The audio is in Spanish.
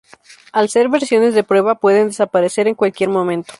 Al ser versiones de prueba pueden desaparecer en cualquier momento.